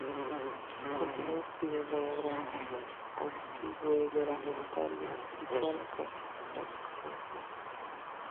Continuó escribiendo obras antigubernamentales y fue a la cárcel en dos ocasiones más.